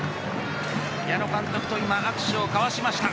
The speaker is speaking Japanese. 矢野監督と今握手を交わしました。